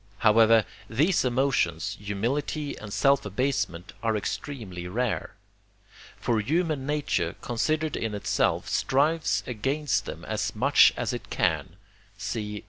However, these emotions, humility and self abasement, are extremely rare. For human nature, considered in itself, strives against them as much as it can (see III.